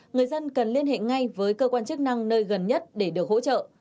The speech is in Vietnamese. người dân cần liên hệ ngay với cơ quan chức năng nơi gần nhất để được hỗ trợ